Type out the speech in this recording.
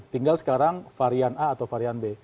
tinggal sekarang varian a atau varian b